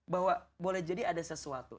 bahwa boleh jadi ada sesuatu